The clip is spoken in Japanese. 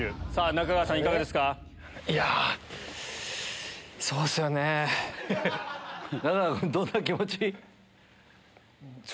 中川君どんな気持ち？